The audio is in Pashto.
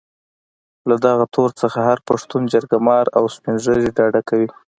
له دغه تور څخه هر پښتون جرګه مار او سپين ږيري ډډه کوي.